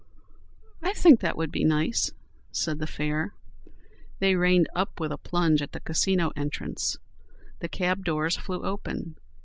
"I think that would be nice," said the fare. They reined up with a plunge at the Casino entrance. The cab doors flew open.